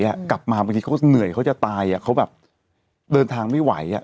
กลับมาบางทีเขาเหนื่อยเขาจะตายเขาแบบเดินทางไม่ไหวอ่ะ